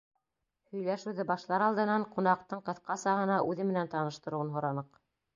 Һөйләшеүҙе башлар алдынан ҡунаҡтың ҡыҫҡаса ғына үҙе менән таныштырыуын һораныҡ.